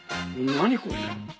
何これ？